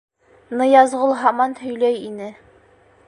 Ныязғол һаман һөйләй ине: